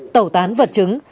tẩu tán vật chứng